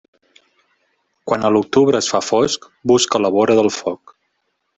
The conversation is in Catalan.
Quan a l'octubre es fa fosc, busca la vora del foc.